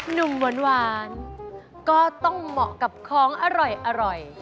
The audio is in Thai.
หนุ่มหวานก็ต้องเหมาะกับของอร่อย